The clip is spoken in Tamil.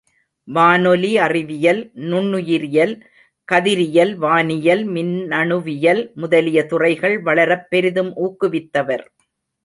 வானொலி அறிவியல், நுண்ணுயிரியல், கதிரியல் வானியல், மின்னணுவியல் முதலிய துறைகள் வளரப் பெரிதும் ஊக்குவித்தவர்.